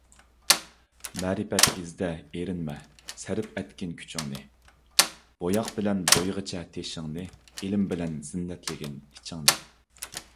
مەرىپەت ئىزدە ئېرىنمە، سەرىپ ئەتكىن كۈچىڭنى؛ بوياق بىلەن بويىغىچە تېشىڭنى ، ئىلىم بىلەن زىننەتلىگىن ئىچىڭنى.